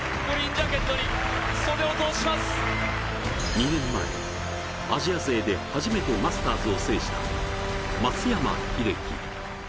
２年前、アジア勢で初めてマスターズを制した松山英樹。